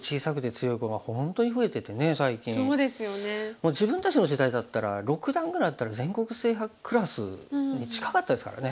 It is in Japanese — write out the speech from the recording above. もう自分たちの時代だったら６段ぐらいあったら全国制覇クラスに近かったですからね。